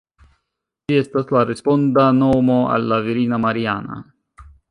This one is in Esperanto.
Ĝi estas la responda nomo al la virina Mariana.